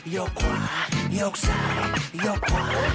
ยกซ้ายยกขวา